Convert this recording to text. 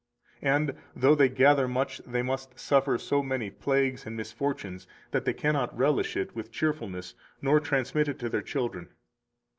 And though they gather much, they must suffer so many plagues and misfortunes that they cannot relish it with cheerfulness nor transmit it to their children.